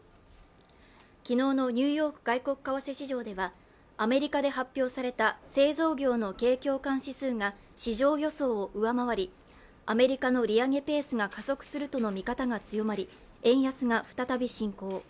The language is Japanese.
昨日のニューヨーク外国為替市場では、アメリカで発表された製造業の景況感指数が市場予想を上回り、アメリカの利上げペースが加速するとの見方が強まり円安が再び進行。